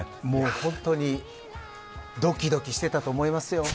本当にどきどきしてたと思いますよ。